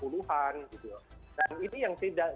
dan ini yang saya tidak pernah dengar